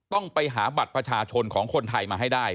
ต้องไปหาบัตรประชาชนของคนไทยมาให้ได้